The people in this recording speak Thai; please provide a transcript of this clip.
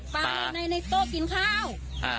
ไปในโต๊ะกินข้าว